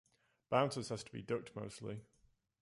Bouncers has to be ducked mostly.